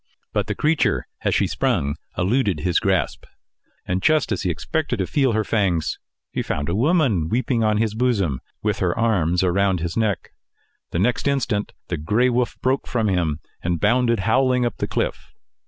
But the creature as she sprung eluded his grasp, and just as he expected to feel her fangs, he found a woman weeping on his bosom, with her arms around his neck. The next instant, the gray wolf broke from him, and bounded howling up the cliff.